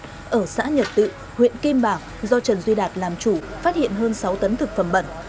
trần duy đạt ở xã nhật tự huyện kim bảng do trần duy đạt làm chủ phát hiện hơn sáu tấn thực phẩm bẩn